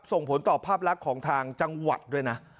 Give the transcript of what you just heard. ส่งผลต่อภาพลักษณ์ของทางจังหวัดด้วยนะ